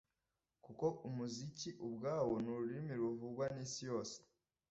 kuko umuziki ubwawo n’ururimi ruvugwa n’isi yose